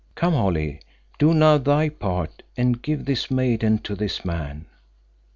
"Come, Holly, do now thy part and give this maiden to this man."